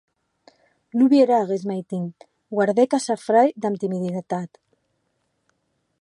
Non vierà aguest maitin, guardèc a sa frair damb timiditat.